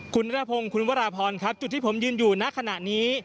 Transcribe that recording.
คุณนาภงคุณวราพรจุดที่ผมยืนอยู่ในขณะนี้